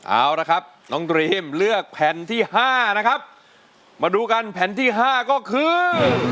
เอาละครับน้องดรีมเลือกแผ่นที่ห้านะครับมาดูกันแผ่นที่ห้าก็คือ